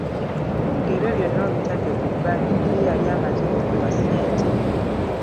Ng'ebyo byonna obitadde ku bbali, ye yali amaze okutuwa ssente.